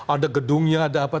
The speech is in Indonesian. ada gedungnya ada apa